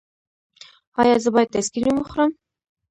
ایا زه باید آیسکریم وخورم؟